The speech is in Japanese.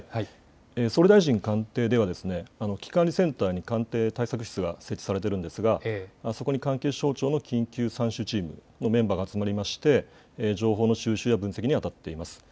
総理大臣官邸では危機管理センターに官邸対策室が設置されているんですが、そこに関係省庁の緊急参集チームのメンバーが集まりまして情報の収集や分析にあたっています。